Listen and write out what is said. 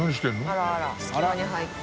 あらあら隙間に入って。